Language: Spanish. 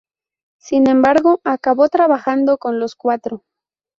Sin embargo, acabó trabajando con los cuatro.